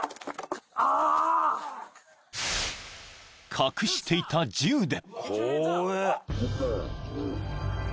［隠していた銃で］